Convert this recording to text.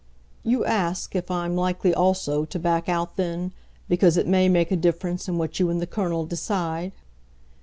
"You ask if I'm likely also to back out then, because it may make a difference in what you and the Colonel decide?"